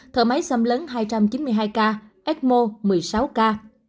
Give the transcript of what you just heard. thở máy xâm lấn hai trăm chín mươi hai ca ecmo một mươi sáu ca